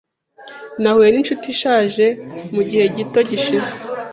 Nahuye ninshuti ishaje mugihe gito gishize .